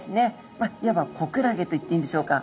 まあいわば子クラゲといっていいんでしょうか。